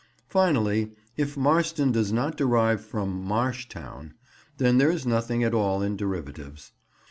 Finally, if "Marston" does not derive from "marshtown," then there is nothing at all in derivatives.